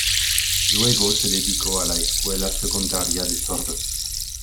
Luego se dedicó a la escuela secundaria de sordos.